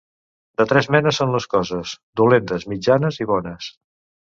De tres menes són les coses: dolentes, mitjanes i bones.